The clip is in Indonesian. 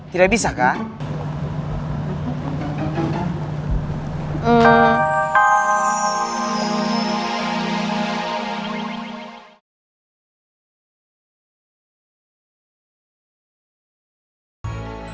tidak bisa kah